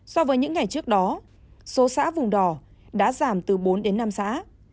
so với những ngày trước đó số xã vùng đỏ đã giảm từ bốn đến năm xã